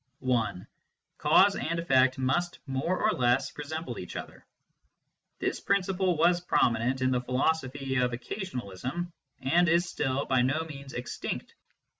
(1) f Cause and effect must more or less resemble each other, j This principle was prominent in the philosophy of occasionalism, and is still by no means extinct.